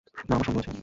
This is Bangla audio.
না, আমার সন্দেহ আছে।